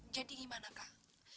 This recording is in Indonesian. jadi gimana kak